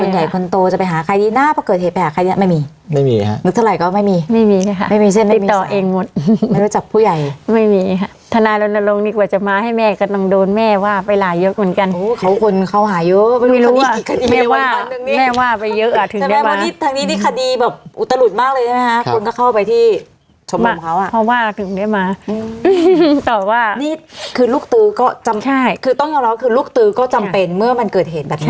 อืมแต่ว่านี่คือลูกตือก็จำใช่คือต้องยอมร้อยว่าคือลูกตือก็จำเป็นเมื่อมันเกิดเหตุแบบนี้